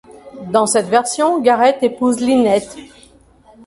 Dans cette version, Gareth épouse Lynette.